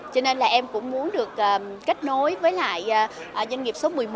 cho nên là em cũng muốn được kết nối với lại doanh nghiệp số một mươi một